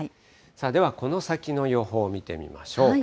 ではこの先の予報を見てみましょう。